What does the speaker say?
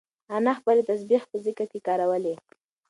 انا خپلې تسبیح په ذکر کې کارولې.